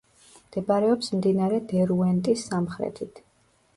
მდებარეობს მდინარე დერუენტის სამხრეთით.